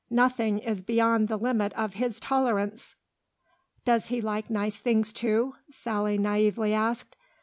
Nothing is beyond the limit of his tolerance." "Does he like nice things too?" Sally naïvely asked.